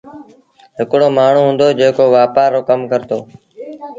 هڪڙو مآڻهوٚٚݩ هُݩدو جيڪو وآپآر رو ڪم ڪرتو